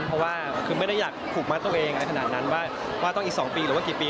เพราะว่าคือไม่ได้อยากผูกมัดตัวเองอะไรขนาดนั้นว่าต้องอีก๒ปีหรือว่ากี่ปี